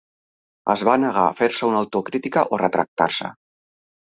Es va negar a fer-se una autocrítica o retractar-se.